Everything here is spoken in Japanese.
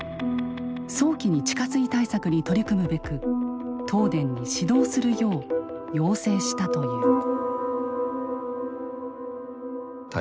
早期に地下水対策に取り組むべく東電に指導するよう要請したという。